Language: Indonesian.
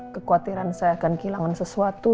kekhawatiran saya akan kehilangan sesuatu